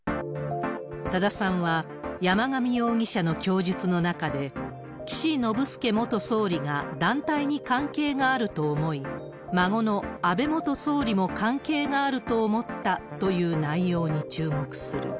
多田さんは、山上容疑者の供述の中で、岸信介元総理が団体に関係があると思い、孫の安倍元総理も関係があると思ったという内容に注目する。